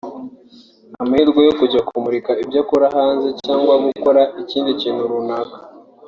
amahirwe yo kujya kumurika ibyo ukora hanze cyangwa gukora ikindi kintu runaka